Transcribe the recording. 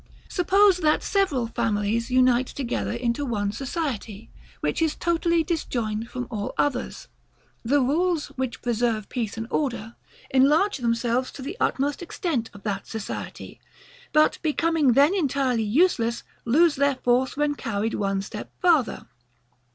Suppose that several families unite together into one society, which is totally disjoined from all others, the rules, which preserve peace and order, enlarge themselves to the utmost extent of that society; but becoming then entirely useless, lose their force when carried one step farther.